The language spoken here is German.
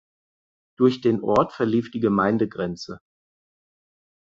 Durch den Ort verlief die Gemeindegrenze.